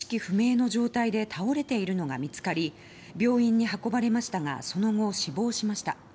９０代の男性が意識不明の状態で倒れているのが見つかり病院に運ばれましたがその後、死亡しました。